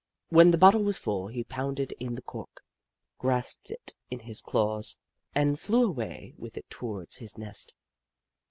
When the bottle was full, he pounded in the cork, grasped it in his claws, and flew away with it towards his nest.